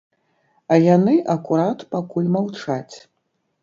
А яны, акурат, пакуль маўчаць.